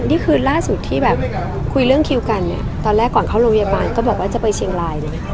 นี่คือล่าสุดที่แบบคุยเรื่องคิวกันเนี่ยตอนแรกก่อนเข้าโรงพยาบาลก็บอกว่าจะไปเชียงรายเลยไหมคะ